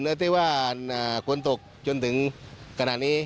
ตั้งแต่วันแรกที่คุณตกจนถึงกรณานี้